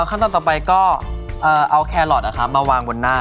ครั้งต่อเอาแคโล็ตมาวางบนหน้า